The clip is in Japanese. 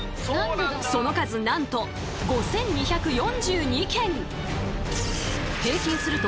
その数なんと５，２４２件！